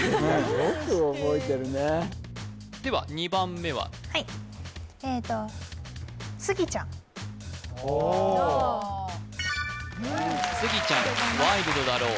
よく覚えてるねでは２番目ははいああスギちゃん「ワイルドだろぉ」